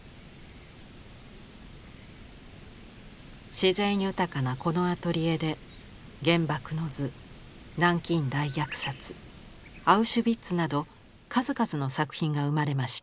自然豊かなこのアトリエで「原爆の図」「南京大虐殺」「アウシュビッツ」など数々の作品が生まれました。